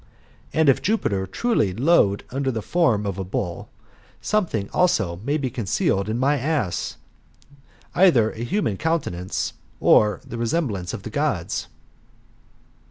And if Jupiter truly lowed under the form of a bull, something also may be concealed in my ass, viz. either a human countenance, or a resemblance of the Gods."